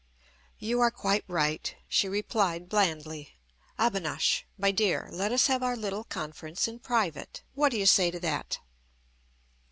"You are quite right," she replied blandly. "Abinash, my dear, let us have our little conference in private. What do you say to that?"